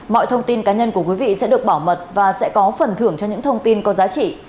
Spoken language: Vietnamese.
mọi thông tin cá nhân của quý vị sẽ được bảo mật và sẽ có phần thưởng cho những thông tin có giá trị